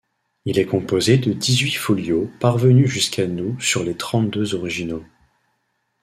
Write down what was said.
Il est composé de dix-huit folios parvenus jusqu'à nous sur les trente-deux originaux.